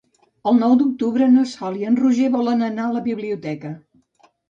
El nou d'octubre na Sol i en Roger volen anar a la biblioteca.